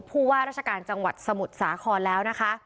พูดว่าราชการจังหวัดสมุทรสาขอนแล้ว